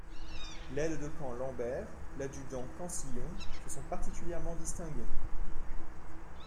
L'aide-de-camp Lambert, l'adjudant Cansillon se sont particulièrement distingués.